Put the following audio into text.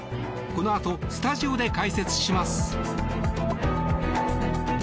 このあとスタジオで解説します。